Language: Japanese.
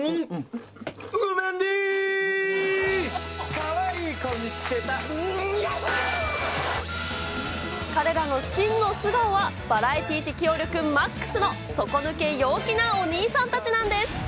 かわいい子見つけた、うーん、彼らの真の素顔は、バラエティー適応力マックスの底抜け陽気なお兄さんたちなんです。